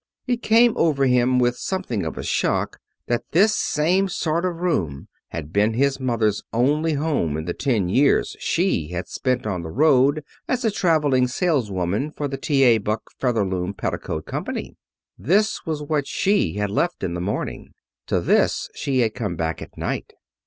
It came over him with something of a shock that this same sort of room had been his mother's only home in the ten years she had spent on the road as a traveling saleswoman for the T.A. Buck Featherloom Petticoat Company. This was what she had left in the morning. To this she had come back at night.